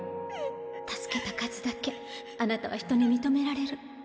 助けた数だけあなたは人に認められる。